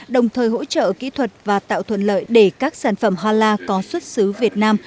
đồng thời hỗ trợ kỹ thuật và tạo thuận lợi để các sản phẩm hala có xuất xứ việt nam